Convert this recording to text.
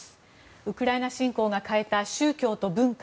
ウクライナ侵攻が変えた宗教と文化。